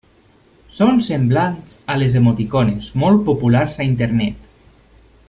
Són semblants a les emoticones, molt populars a internet.